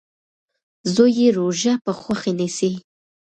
زوی یې روژه په خوښۍ نیسي.